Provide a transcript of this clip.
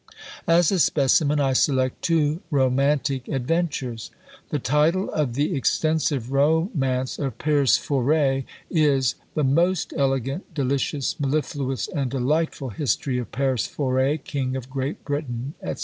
As a specimen I select two romantic adventures: The title of the extensive romance of Perceforest is, "The most elegant, delicious, mellifluous, and delightful history of Perceforest, King of Great Britain, &c."